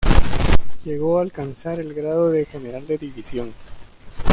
Llegó a alcanzar el grado de General de División.